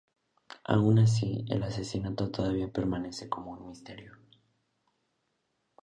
Aun así, el asesinato todavía permanece como un misterio.